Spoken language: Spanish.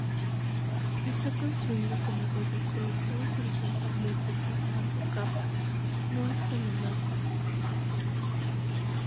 Está construido con adobes colocados horizontalmente formando capas, no escalonados.